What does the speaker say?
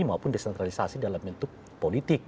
maupun desentralisasi dalam bentuk politik